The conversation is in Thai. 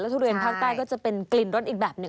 ทุเรียนภาคใต้ก็จะเป็นกลิ่นรสอีกแบบหนึ่ง